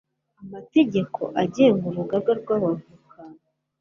amategeko agenga urugaga rw 'aba voka